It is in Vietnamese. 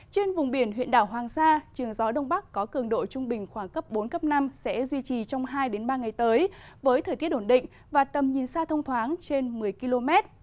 trên vùng biển huyện đảo hoàng sa trường gió đông bắc có cường độ trung bình khoảng cấp bốn cấp năm sẽ duy trì trong hai ba ngày tới với thời tiết ổn định và tầm nhìn xa thông thoáng trên một mươi km